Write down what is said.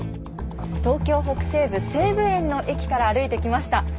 東京北西部西武園の駅から歩いてきました。